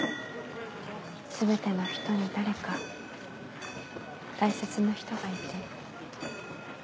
全ての人に誰か大切な人がいて。